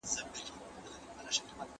د تاریخ پاڼې هېڅکله نه سي پټېدای.